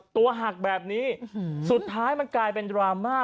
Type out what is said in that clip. ตัวหักแบบนี้สุดท้ายมันกลายเป็นดราม่า